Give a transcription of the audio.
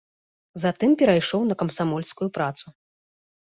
Затым перайшоў на камсамольскую працу.